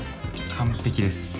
完璧です。